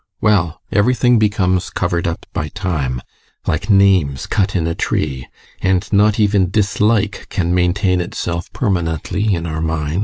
Well, everything becomes covered up by time, like names cut in a tree and not even dislike can maintain itself permanently in our minds.